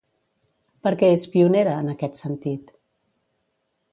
Per què és pionera, en aquest sentit?